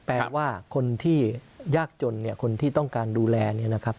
แปลว่าคนที่ยากจนเนี่ยคนที่ต้องการดูแลเนี่ยนะครับ